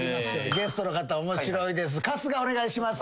ゲストの方面白いです。